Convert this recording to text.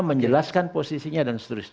menjelaskan posisinya dan seterusnya